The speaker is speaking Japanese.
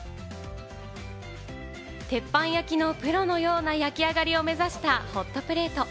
鉄板焼きのプロのような焼き上がりを目指したホットプレート。